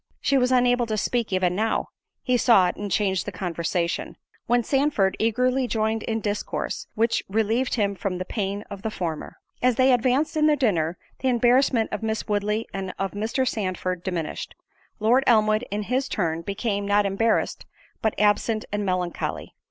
She was unable to speak even now—he saw it, and changed the conversation; when Sandford eagerly joined in discourse, which relieved him from the pain of the former. As they advanced in their dinner, the embarrassment of Miss Woodley and of Mr. Sandford diminished; Lord Elmwood in his turn became, not embarrassed, but absent and melancholy.